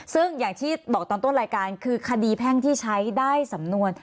ซึ่งอย่างที่บอกตอนต้นรายการคือคดีแพ่งที่ใช้ได้สำนวน